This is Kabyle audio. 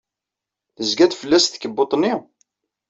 Tezga-d fell-as tkebbuḍt-nni?